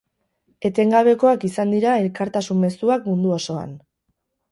Etengabekoak izan dira elkartasun mezuak mundu osoan.